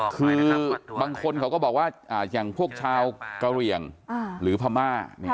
คือบางคนเขาก็บอกว่าอย่างพวกชาวกะเหลี่ยงหรือพม่า